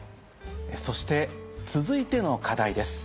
そして続いての課題です。